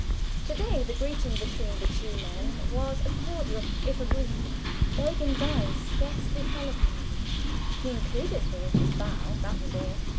To day the greeting between the two men was a cordial if a brief one. Eugen's eyes scarcely fell upon me; he included me in his bow that was all.